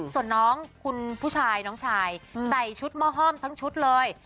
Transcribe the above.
ส่วนน้องคุณผู้ชายน้องชายใส่ชุดหม้อห้อมทั้งชุดเลย